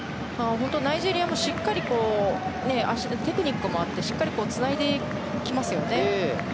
ナイジェリアも本当にテクニックもあってしっかりとつないできますよね。